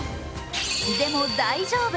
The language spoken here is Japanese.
でも大丈夫。